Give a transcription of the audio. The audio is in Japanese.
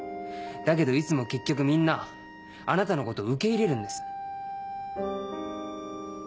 だけどいつも結局みんなあなたのこと受け入れるんです。